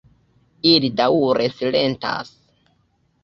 Ili daŭre silentas.